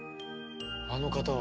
あの方は。